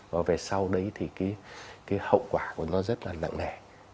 và về sau đấy thì cái hậu quả của nó rất là nặng lẻ